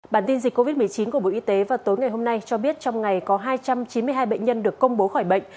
bản tin dịch covid một mươi chín của bộ y tế vào tối ngày hôm nay cho biết trong ngày có hai trăm chín mươi hai bệnh nhân được công bố khỏi bệnh